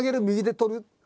右で捕る？